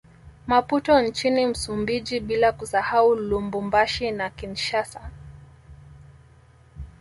Maputo nchini Msumbiji bila kusahau Lubumbashi na Kinshasa